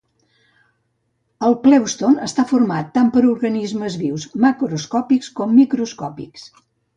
El plèuston està format tant per organismes vius macroscòpics com microscòpics.